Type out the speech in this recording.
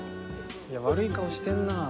いや悪い顔してんなぁ。